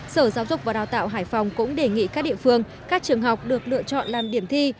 sở giáo dục và đào tạo hải phòng cũng đề nghị các địa phương các trường học được lựa chọn làm điểm thi